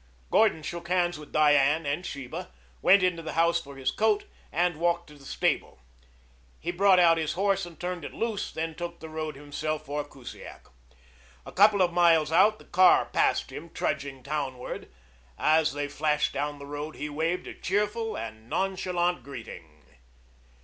Gordon shook hands with Diane and Sheba, went into the house for his coat, and walked to the stable. He brought out his horse and turned it loose, then took the road himself for Kusiak. A couple of miles out the car passed him trudging townward. As they flashed down the road he waved a cheerful and nonchalant greeting.